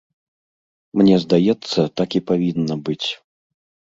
Мне здаецца, так і павінна быць.